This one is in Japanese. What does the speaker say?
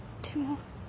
でも。